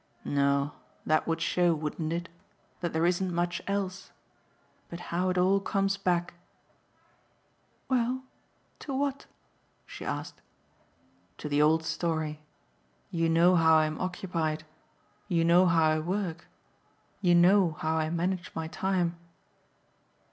"No, that would show, wouldn't it? that there isn't much else. But how it all comes back !" "Well, to what?" she asked. "To the old story. You know how I'm occupied. You know how I work. You know how I manage my time."